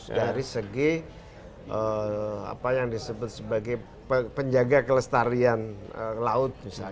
dari segi apa yang disebut sebagai penjaga kelestarian laut